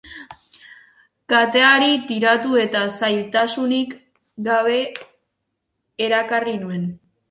Kateari tiratu eta zailtasunik gabe erakarri nuen.